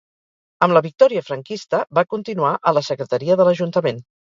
Amb la victòria franquista va continuar a la secretaria de l’Ajuntament.